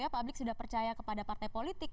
publik sudah percaya kepada partai politik